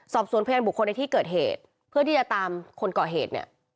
สอบสวนพยานบุคคลในที่เกิดเหตุเพื่อที่จะตามคนก่อเหตุเนี่ย